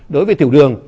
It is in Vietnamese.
đối với tiểu đường